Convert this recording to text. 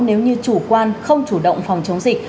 nếu như chủ quan không chủ động phòng chống dịch